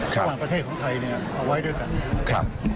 กระทรวงประเทศของไทยเอาไว้ด้วยกัน